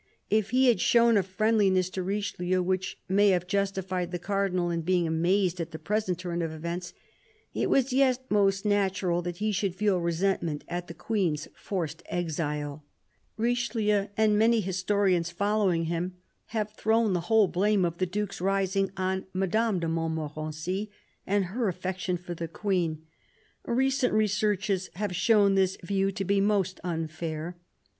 If he had shown a friendliness to Richelieu which may have justified the Cardinal in being amazed at the present turn of events, it was yet most natural that he should feel resentment at the Queen's forced exile. Richelieu and many historians following him have thrown the whole blame of the Duke's rising on Madame de Mont morency and her affection for the Queen. Recent re searches have shown this view to be most unfair.